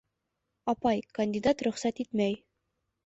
Апай, кандидат рөхсәт итмәй.